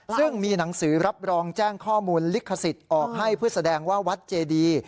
ซึ่งมีหนังสือรับรองแจ้งข้อมูลลิขสิทธิ์ออกให้เพื่อแสดงว่าวัดเจดี